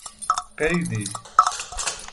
قیدی